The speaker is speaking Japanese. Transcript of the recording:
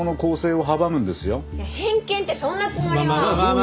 偏見ってそんなつもりは。